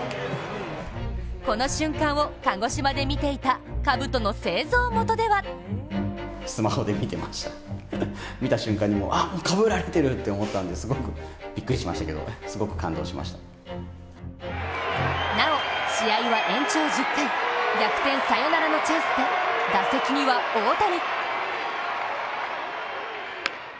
この瞬間を鹿児島で見ていたかぶとの製造元ではなお、試合は延長１０回逆転サヨナラのチャンスで打席には大谷。